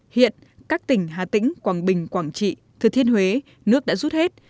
hiện các tỉnh hà tĩnh quảng bình quảng trị thừa thiên huế nước đã rút hết